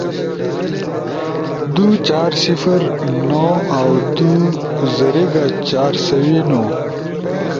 دُو، چار، صفر، نو“ اؤ دُو زریگا، چار سوی نو“۔